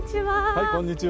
はいこんにちは。